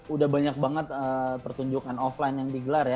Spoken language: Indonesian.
udah banyak banget pertunjukan offline yang digelar ya